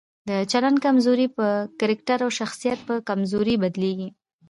د چلند کمزوري په کرکټر او شخصیت په کمزورۍ بدليږي.